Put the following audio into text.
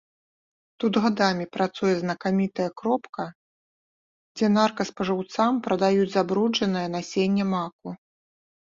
Тут гадамі працуе знакамітая кропка, дзе наркаспажыўцам прадаюць забруджанае насенне маку.